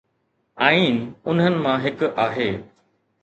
آئين انهن مان هڪ آهي.